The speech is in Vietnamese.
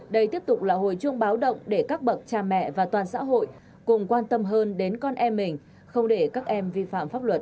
đây tiếp tục là hồi chuông báo động để các bậc cha mẹ và toàn xã hội cùng quan tâm hơn đến con em mình không để các em vi phạm pháp luật